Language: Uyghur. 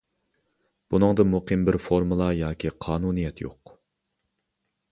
بۇنىڭدا مۇقىم بىر فورمۇلا ياكى قانۇنىيەت يوق.